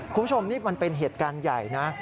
คุณผู้ชมนี่มันเป็นเหตุการณ์ใหญ่นะ